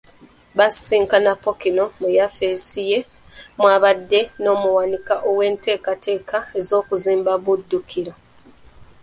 Basisinkana Ppookino mu yafeesi ye mw'abadde n'omuwanika w'enteekateeka y'okuzimba Buddukiro.